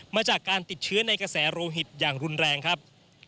มาจากการติดเชื้อในกระแสโรหิตอย่างรุนแรงครับ